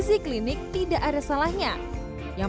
setelah bersihkan nasi setelah matang